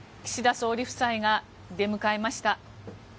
総理夫妻が出迎えました。